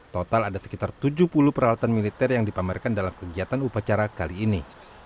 total ada sekitar tujuh puluh peralatan militer yang dipamerkan dalam kegiatan upacara kali ini